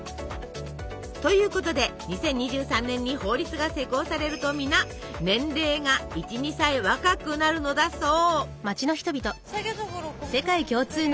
ということで２０２３年に法律が施行されると皆年齢が１２歳若くなるのだそう。